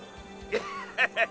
ガハハハ！